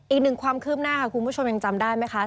อีกหนึ่งความคืบหน้าค่ะคุณผู้ชมยังจำได้ไหมคะ